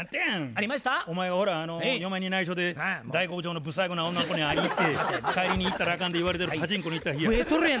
お前がほら嫁はんにないしょで大国町の不細工な女の子に会いに行って帰りに行ったらあかんて言われてるパチンコに行った日や。